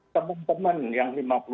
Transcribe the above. teman teman yang lima puluh enam